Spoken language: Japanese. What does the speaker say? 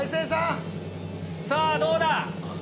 さぁどうだ？